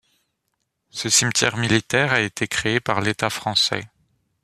Ce cimetière militaire a été créé par l’État français.